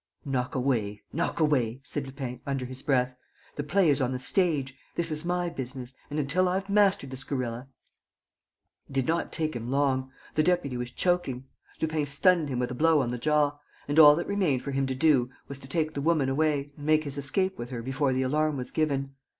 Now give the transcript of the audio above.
"Knock away, knock away," said Lupin, under his breath. "The play is on the stage. This is my business and, until I've mastered this gorilla...." It did not take him long. The deputy was choking. Lupin stunned him with a blow on the jaw; and all that remained for him to do was to take the woman away and make his escape with her before the alarm was given.